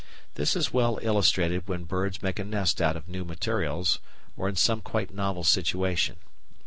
This is well illustrated when birds make a nest out of new materials or in some quite novel situation.